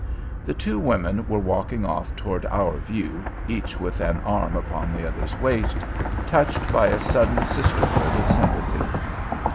The two women were walking off toward "our view," each with an arm about the other's waist—touched by a sudden sisterhood of sympathy.